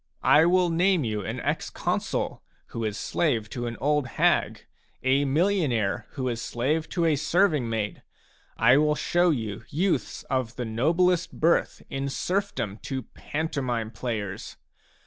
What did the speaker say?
I will name you an ex consul who is slave to an old hag, a millionaire who is slave to a serving maid ; I will show you youths of the noblest birth in serfdom to pantomime players